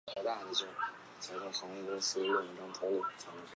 濑见温泉车站是一个仅设有一座侧式月台一条乘车线的小型车站。